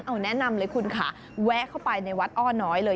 เอาแนะนำเลยคุณค่ะแวะเข้าไปในวัดอ้อน้อยเลย